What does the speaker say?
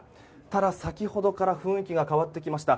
ただ、先ほどから雰囲気が変わってきました。